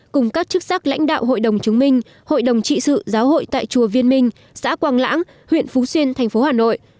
cùng các chức sắc lãnh đạo hội đồng chứng minh hội đồng trị sự giáo hội tại chùa viên minh xã quang lãng huyện phú xuyên thành phố hà nội